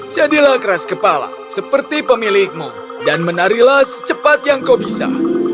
jadilah keras kepala seperti pemilikmu dan menarilah secepat yang kau bisa